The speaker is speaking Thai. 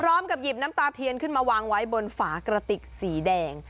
พร้อมกับหยิบน้ำตาเทียนขึ้นมาวางไว้บนฝากระติกสีแดง